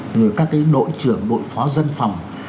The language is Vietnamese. rồi các cái nội trưởng nội phó dân phòng